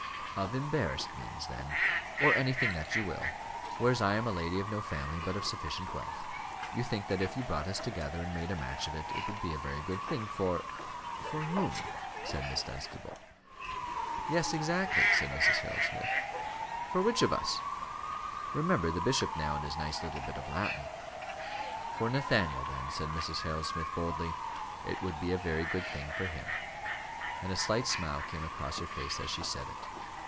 "Of embarrassed means, then, or anything that you will; whereas I am a lady of no family, but of sufficient wealth. You think that if you brought us together and made a match of it, it would be a very good thing for for whom?" said Miss Dunstable. "Yes, exactly," said Mrs. Harold Smith. "For which of us? Remember the bishop now and his nice little bit of Latin." "For Nathaniel then," said Mrs. Harold Smith, boldly. "It would be a very good thing for him." And a slight smile came across her face as she said it.